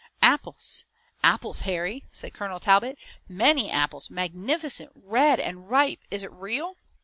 "Apples! apples, Harry!" said Colonel Talbot. "Many apples, magnificent, red and ripe! Is it real?"